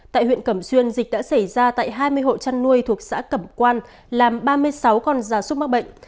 tại huyện cẩm xuyên dịch đã xảy ra tại hai mươi hộ chăn nuôi thuộc xã cẩm quan làm ba mươi sáu con da súc mắc bệnh